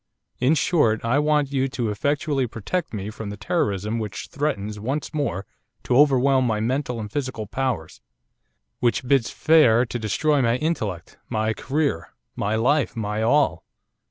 In short, I want you to effectually protect me from the terrorism which threatens once more to overwhelm my mental and my physical powers, which bids fair to destroy my intellect, my career, my life, my all.